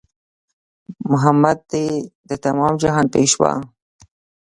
محمد دی د تمام جهان پېشوا